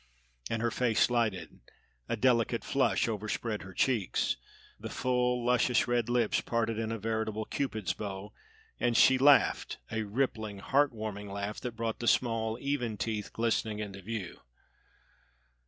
And her face lighted; a delicate flush overspread her cheeks; the full, luscious red lips parted in a veritable Cupid's bow; and she laughed a rippling, heart warming laugh that brought the small, even teeth glistening into view.